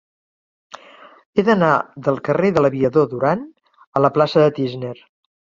He d'anar del carrer de l'Aviador Durán a la plaça de Tísner.